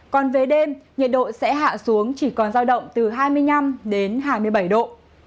còn về đêm nhiệt độ sẽ hạ xuống chỉ còn giao động từ hai mươi năm đến hai mươi bảy độ